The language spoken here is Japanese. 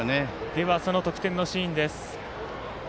では、その得点のシーン。